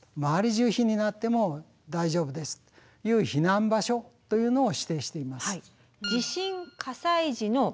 中火になっても大丈夫ですという避難場所というのを指定しています。